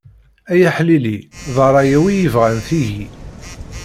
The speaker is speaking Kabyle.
Ay aḥlili, d rray-iw i yebɣan tigi.